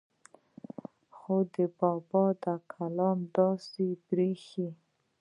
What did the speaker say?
خو د بابا د کلام نه داسې بريښي